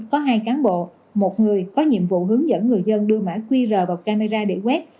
có hai cán bộ một người có nhiệm vụ hướng dẫn người dân đưa mã qr vào camera để quét